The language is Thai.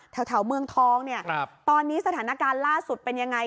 แถวเมืองทองเนี่ยตอนนี้สถานการณ์ล่าสุดเป็นยังไง